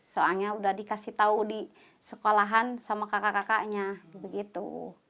soalnya udah dikasih tahu di sekolahan sama kakak kakaknya begitu